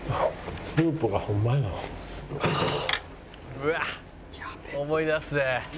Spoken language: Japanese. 「うわっ思い出すね」